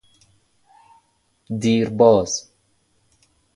دیر باز